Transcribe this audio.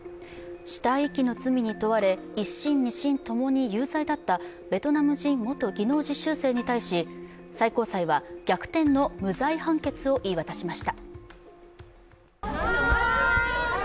死体遺棄の罪に問われ、１審、２審ともに有罪だったベトナム人元技能実習生に対し最高裁は逆転の無罪判決を言い渡しました。